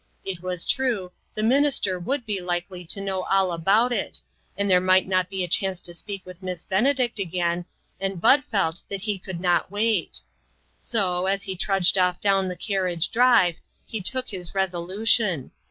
It was true, the minister would be likely to know all about it, and there might not be a chance to speak to Miss Benedict again, and Bud felt that he could not wait. So, as he trudged off down the carriage drive, he took his resolution.